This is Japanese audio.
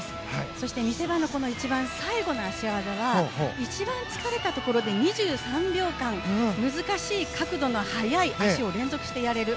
そして見せ場の一番最後の脚技は一番疲れたところで、２３秒間難しい角度の早い脚を連続してやれる。